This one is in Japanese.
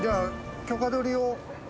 許可取り？